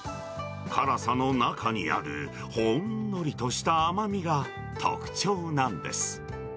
辛さの中にあるほんのりとした甘みが、特徴なんです。